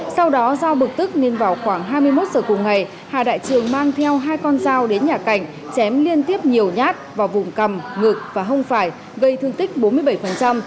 sau đó do bực tức nên vào khoảng hai mươi một giờ cùng ngày hà đại trường mang theo hai con dao đến nhà cảnh chém liên tiếp nhiều nhát vào vùng cầm ngực và hông phải gây thương tích bốn mươi bảy